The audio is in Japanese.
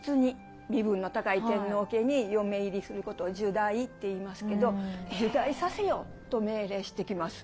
身分の高い天皇家に嫁入りすることを入内って言いますけど「入内させよ！」と命令してきます。